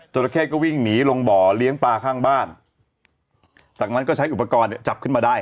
ราเข้ก็วิ่งหนีลงบ่อเลี้ยงปลาข้างบ้านจากนั้นก็ใช้อุปกรณ์เนี่ยจับขึ้นมาได้